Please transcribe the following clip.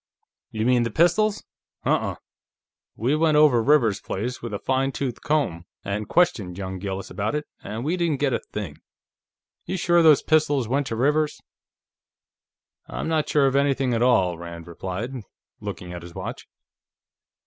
"You mean the pistols? Huh unh; we went over Rivers's place with a fine tooth comb, and questioned young Gillis about it, and we didn't get a thing. You sure those pistols went to Rivers?" "I'm not sure of anything at all," Rand replied, looking at his watch.